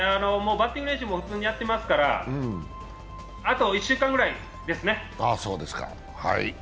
バッティング練習も普通にやってますからあと１週間ぐらいですね。